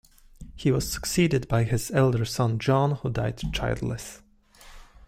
He was succeeded by his elder son John, who died childless.